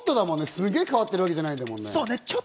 すげぇ変わってるわけじゃないんだもんね。